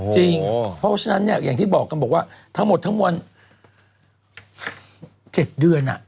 เพราะฉะนั้นเนี่ยอย่างที่บอกกันบอกว่าทั้งหมดทั้งมวล๗เดือน